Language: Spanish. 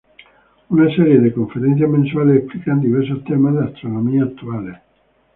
Una serie de conferencias mensuales explican diversos temas de astronomía actuales.